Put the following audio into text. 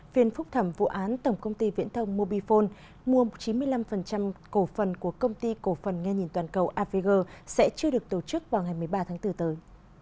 phiên phúc thẩm vụ án tổng công ty viễn thông mobifone mua chín mươi năm cổ phần của công ty cổ phần nghe nhìn toàn cầu avg sẽ chưa được tổ chức vào ngày một mươi ba tháng bốn tới